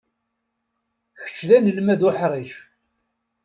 Kečč d anelmad uḥric.